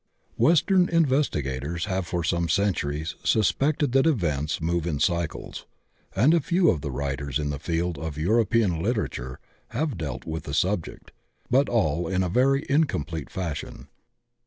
Western investigators have for some centuries suspected that events move in cycles, and a few of die writers in the field of European litera ture have dealt with the subject, but all in a very in complete fashion.